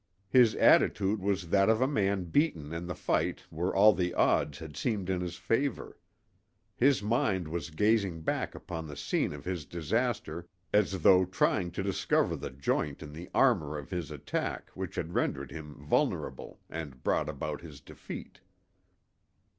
His attitude was that of a man beaten in the fight where all the odds had seemed in his favor. His mind was gazing back upon the scene of his disaster as though trying to discover the joint in the armor of his attack which had rendered him vulnerable and brought about his defeat.